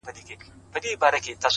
صبر د وخت له فشار سره ملګری دی’